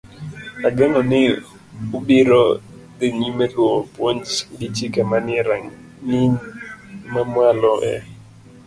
Ageno ni ubiro dhi nyime luwo puonj gi chike manie rang'iny mamalo e